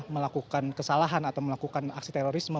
melakukan kesalahan atau melakukan aksi terorisme